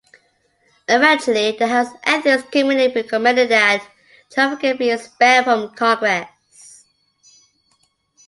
Eventually, the House Ethics Committee recommended that Traficant be expelled from Congress.